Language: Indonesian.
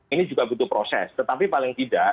ini juga butuh proses tetapi paling tidak